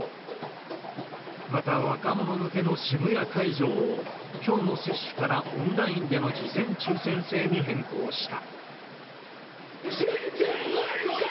また、若者向けの渋谷会場を、きょうの接種からオンラインでの事前抽せん制に変更した。